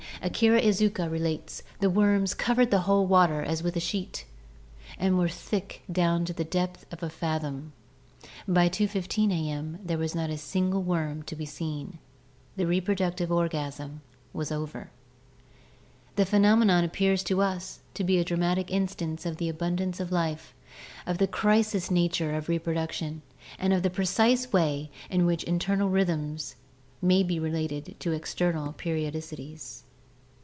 Akira Izuka relates, the worms 'covered the whole water as with a sheet* and were thick down to a depth of a fathom. By 2.15 a. if., there was not a single worm to be seen; the reproductive orgasm was over. The phenomenon ap pears to us to be a dramatic instance of the abundance of life, of the crisis nature of reproduction, and of the precise way in which internal rhythms may be related to external periodicities."